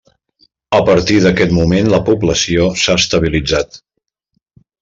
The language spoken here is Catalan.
A partir d'aquest moment la població s'ha estabilitzat.